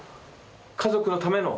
家族のための。